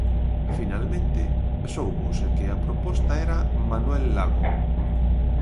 Finalmente sóubose que a proposta era Manuel Lago.